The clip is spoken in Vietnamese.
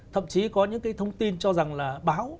thậm chí có những cái thông tin cho rằng là báo